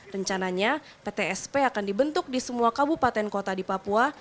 rencananya ptsp akan dibentuk di semua kabupaten kota di papua